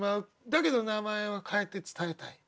だけど名前は変えて伝えたい。